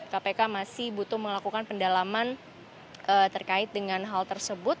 kpk masih butuh melakukan pendalaman terkait dengan hal tersebut